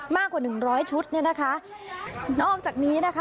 มากกว่าหนึ่งร้อยชุดเนี่ยนะคะนอกจากนี้นะคะ